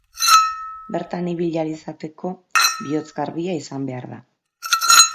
Bertan ibili ahal izateko bihotz garbia izan behar da.